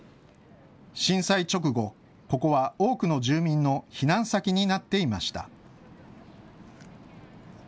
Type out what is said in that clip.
震災直後、ここは多くの住民の避難先になっていました。